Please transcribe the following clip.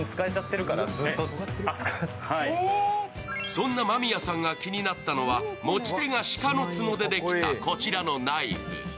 そんな間宮さんが気になったのは持ち手が鹿の角でできた、こちらのナイフ。